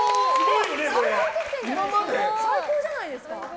今までで最高じゃないですか。